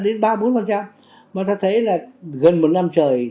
đến ba mươi bốn mà ta thấy là gần một năm trời